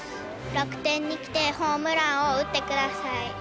楽天に来てホームランを打ってください。